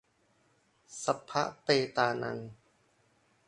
สัพพะเปตานัง